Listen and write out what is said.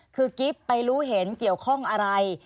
คือกิ๊บไปรู้เห็นเกี่ยวข้องอะไร